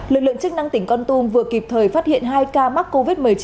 lực lượng chức năng tỉnh con tum vừa kịp thời phát hiện hai ca mắc covid một mươi chín